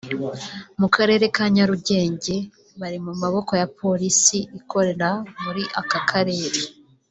mu karere ka Nyarugenge bari mu maboko ya Polisi ikorera muri aka karere